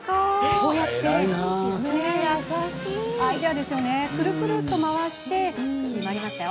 こうやってくるくるっと回して決まりました。